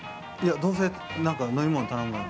どうせなんか飲み物頼むなら。